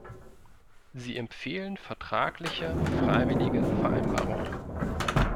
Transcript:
Sie empfehlen vertragliche, freiwillige Vereinbarungen.